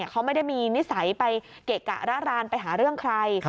เขาไม่ได้มีนิสัยไปเกะกะระรานไปหาเรื่องใคร